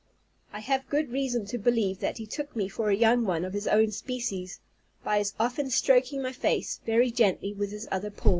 I have good reason to believe that he took me for a young one of his own species, by his often stroking my face very gently with his other paw.